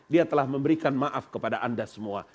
dia telah memberikan maaf kepada anda semua